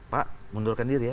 pak mundurkan diri ya